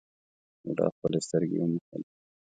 بوډا خپلې سترګې وموښلې.